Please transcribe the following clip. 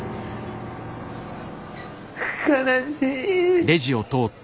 悲しい。